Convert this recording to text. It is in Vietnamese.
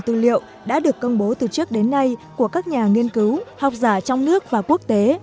tư liệu đã được công bố từ trước đến nay của các nhà nghiên cứu học giả trong nước và quốc tế